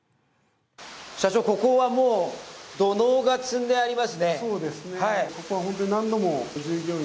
社長ここはもう土のうが積んでありますね